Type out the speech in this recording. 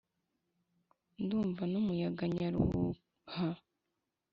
ndumva n’umuyaga nyaruhuha